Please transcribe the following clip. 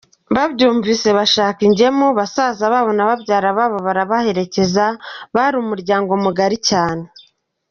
Babyumvise bashaka ingemu, basaza babo na babyara babo barabaherekeza, bari umuryango mugari cyane.